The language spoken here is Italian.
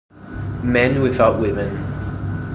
Men Without Women